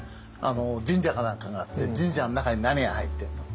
神社か何かがあって神社の中に何が入ってるんだって。